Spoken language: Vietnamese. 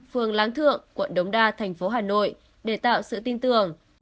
phường láng thượng quận đống đa thành phố hà nội để tạo sự tin tưởng